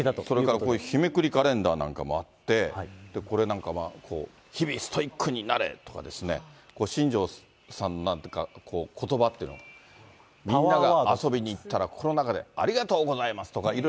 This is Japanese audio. それからこういう日めくりカレンダーなんかもあって、これなんか、日々ストイックになれとか、新庄さんのことばっていうの、みんなが遊びに行ったら、心の中でありがとうございますとか。